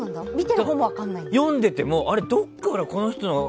読んでいてもあれ、どっからこの人の。